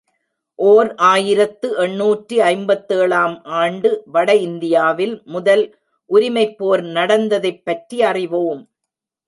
ஓர் ஆயிரத்து எண்ணூற்று ஐம்பத்தேழு ஆம் ஆண்டு வட இந்தியாவில் முதல் உரிமைப் போர் நடந்ததைப் பற்றி அறிவோம்.